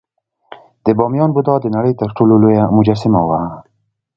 د بامیان بودا د نړۍ تر ټولو لویه مجسمه وه